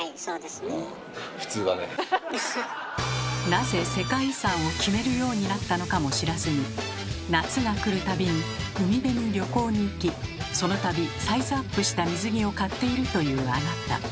なぜ世界遺産を決めるようになったのかも知らずに夏が来るたびに海辺に旅行に行きそのたびサイズアップした水着を買っているというあなた。